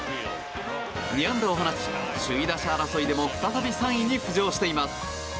２安打を放ち首位打者争いでも再び３位に浮上しています。